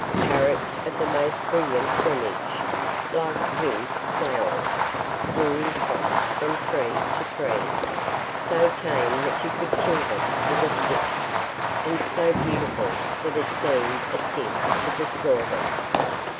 Parrots of the most brilliant plumage, like winged flowers, flew in flocks from tree to tree, so tame that you could kill them with a stick, and so beautiful that it seemed a sin to destroy them.